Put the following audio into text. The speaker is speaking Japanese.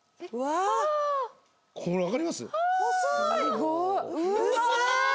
これ分かります？